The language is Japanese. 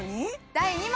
第２問！